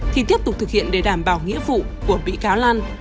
thì tiếp tục thực hiện để đảm bảo nghĩa vụ của bị cáo lan